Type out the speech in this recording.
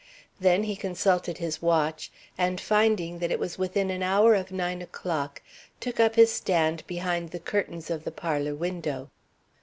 Then he consulted his watch, and finding that it was within an hour of nine o'clock, took up his stand behind the curtains of the parlor window.